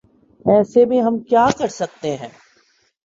ایسے میں ہم کیا کر سکتے ہیں ۔